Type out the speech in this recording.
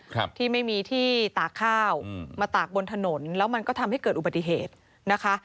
ครับที่ไม่มีที่ตากข้าวอืมมาตากบนถนนแล้วมันก็ทำให้เกิดอุบัติเหตุนะคะ